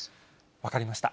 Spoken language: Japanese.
分かりました。